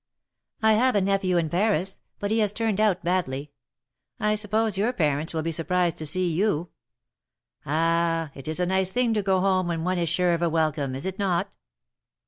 have a nephew in Paris, but he has turned out badly. I suppose your parents will be surprised to see you. Ah ! it is a nice thing to go home when one is sure of a welcome, is it not?"